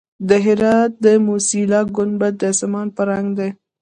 د هرات د موسیلا ګنبد د اسمان په رنګ دی